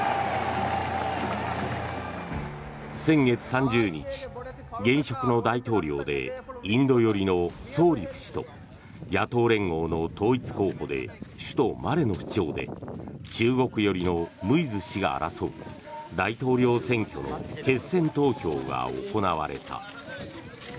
先月３０日、現職の大統領でインド寄りのソーリフ氏と野党連合の統一候補で首都マレの市長で中国寄りのムイズ氏が争う大統領選挙の決選投票が行われた。